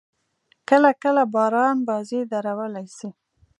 کله – کله باران بازي درولای سي.